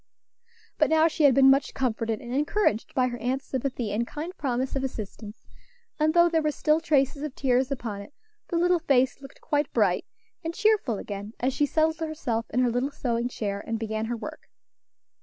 But now she had been much comforted and encouraged by her aunt's sympathy and kind promise of assistance, and, though there were still traces of tears upon it, the little face looked quite bright and cheerful again as she settled herself in her little sewing chair, and began her work.